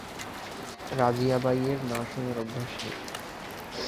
রাজিয়াবাইয়ের না শোনার অভ্যাস নেই।